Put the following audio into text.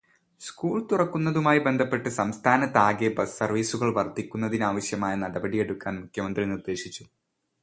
School തുറക്കുന്നതുമായി ബന്ധപ്പെട്ട് സംസ്ഥാനത്താകെ ബസ്സ് സര്വ്വീസുകള് വര്ദ്ധിപ്പിക്കുന്നതിനാവശ്യമായ നടപടി എടുക്കാന് മുഖ്യമന്ത്രി നിര്ദ്ദേശിച്ചു.